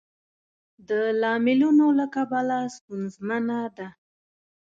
د لاملونو له کبله ستونزمنه ده.